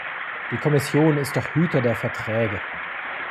Die Kommission ist doch Hüter der Verträge.